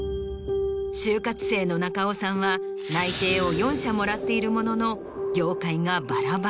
就活生の中尾さんは内定を４社もらっているものの。